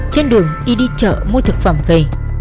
trên đường y đi chợ mua thực phẩm về